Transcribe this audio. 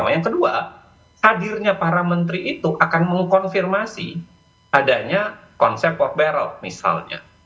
yang kedua hadirnya para menteri itu akan mengkonfirmasi adanya konsep off barrel misalnya